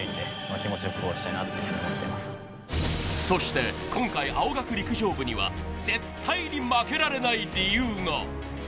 そして、今回、青学陸上部には絶対に負けられない理由が。